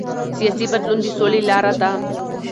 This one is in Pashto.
سیاسي بدلون د سولې لاره ده